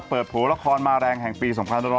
เปิดโผล่ละครมาแรงแห่งปี๒๖๖๒